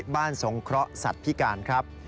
สงเคราะห์สัตว์พิการครับ